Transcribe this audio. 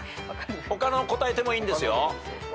他の答えてもいいんですよ。